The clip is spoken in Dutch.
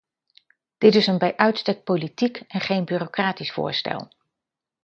Dit is een bij uitstek politiek en geen bureaucratisch voorstel.